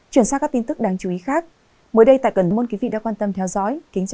chuyển sang các tin tức đáng chú ý khác mới đây tại cần môn quý vị đã quan tâm theo dõi kính chào và hẹn gặp lại